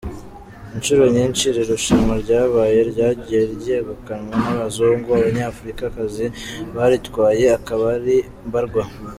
Inshuro nyinshi iri rushanwa ryabaye, ryagiye ryegukanwa n'abazungu, abanyafurikakazi baritwaye akaba ari mbarwa.